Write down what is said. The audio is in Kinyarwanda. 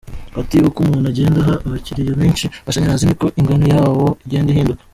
Ati “Uko umuntu agenda aha abakiriya benshi amashanyarazi, niko ingano yawo igenda ihinduka.